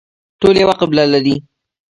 ټول یوه قبله لري